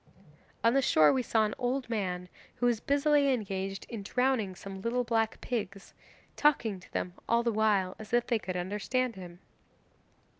'On the shore we saw an old man who was busily engaged in drowning some little black pigs, talking to them all the while, as if they could understand him.